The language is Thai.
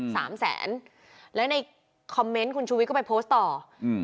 สามแสนแล้วในคอมเมนต์คุณชูวิทก็ไปโพสต์ต่ออืม